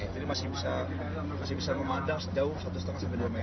jadi masih bisa memandang sejauh satu dua meter